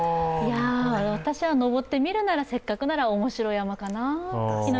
私は登ってみるならせっかくなら面白山かなあ。